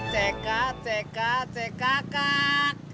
cekat cekat cekat